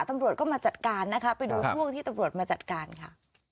ตำรวจก็มาจัดการนะคะไปดูช่วงที่ตำรวจมาจัดการค่ะ